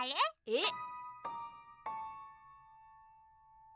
えっ？